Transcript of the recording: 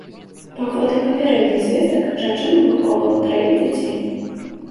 Паводле папярэдніх звестак, жанчына выхоўвала траіх дзяцей.